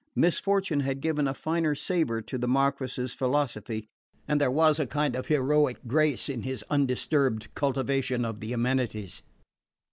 Misfortune had given a finer savour to the Marquis's philosophy, and there was a kind of heroic grace in his undisturbed cultivation of the amenities.